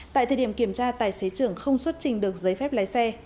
tại thời điểm kiểm tra tài xế trưởng không xuất trình được giấy phép lái xe